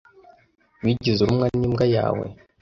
Wigeze urumwa n'imbwa yawe?